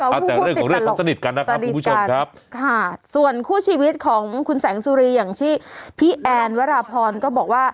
เอาแต่เรื่องของเรื่องเขาสนิทกันนะครับคุณผู้ชมครับค่ะส่วนคู่ชีวิตของคุณแสงสุรีอย่างที่พี่แอนวราพรก็บอกว่า